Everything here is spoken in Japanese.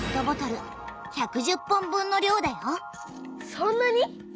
そんなに？